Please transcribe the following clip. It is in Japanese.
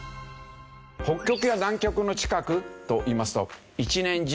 北極や南極の近くといいますと１年中